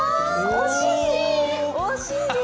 惜しい！